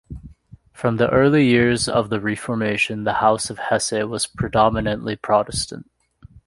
From the early years of the Reformation, the House of Hesse was predominately Protestant.